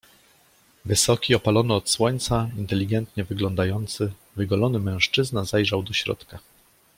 "Wysoki, opalony od słońca, inteligentnie wyglądający, wygolony mężczyzna zajrzał do środka."